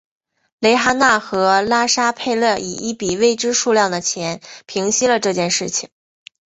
蕾哈娜和拉沙佩勒以一笔未知数量的钱平息了这件事情。